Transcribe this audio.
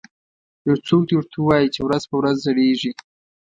یو څوک دې ورته ووایي چې ورځ په ورځ زړیږي